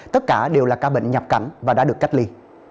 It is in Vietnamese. tất cả đều là ca bệnh nhập cảnh và đã được cách ly